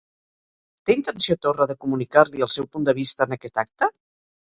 Té intenció Torra de comunicar-li el seu punt de vista en aquest acte?